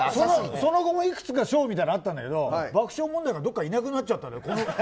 その後もいくつか賞みたいなのがあったんだけど爆笑問題がどこかにいなくなっちゃったの。